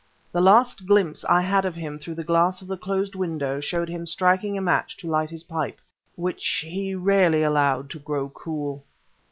The last glimpse I had of him through the glass of the closed window showed him striking a match to light his pipe which he rarely allowed to grow cool.